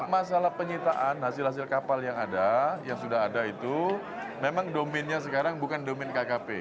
masalah penyitaan hasil hasil kapal yang ada yang sudah ada itu memang dominnya sekarang bukan domin kkp